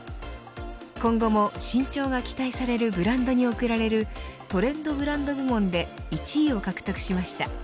今後も伸長が期待されるブランドに贈られるトレンドブランド部門で１位を獲得しました。